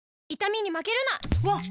わっ！